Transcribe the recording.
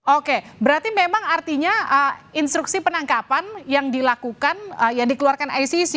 oke berarti memang artinya instruksi penangkapan yang dilakukan yang dikeluarkan icc